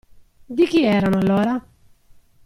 Di chi erano, allora?